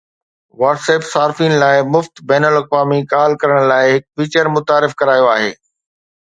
WhatsApp صارفين لاءِ مفت بين الاقوامي ڪال ڪرڻ لاءِ هڪ فيچر متعارف ڪرايو آهي